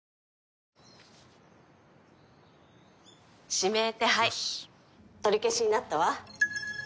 指名手配取り消しになったわ。